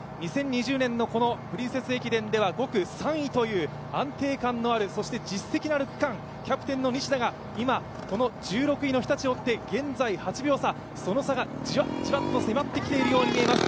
２０２０年のプリンセス駅伝では５区３位という安定感のある、そして実績のある区間、キャプテンの西田が今、１６位の日立を追って現在８秒差、その差がじわじわと迫ってきているように見えます。